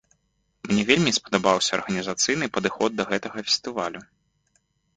Мне вельмі спадабаўся арганізацыйны падыход да гэтага фестывалю.